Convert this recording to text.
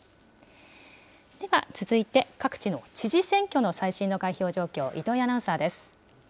では続いて、各地の知事選挙の最新の開票状況、糸井アナウンサーです。